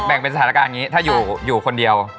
เป็นสถานการณ์อย่างนี้ถ้าอยู่คนเดียว